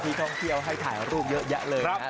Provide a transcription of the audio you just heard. ท่องเที่ยวให้ถ่ายรูปเยอะแยะเลย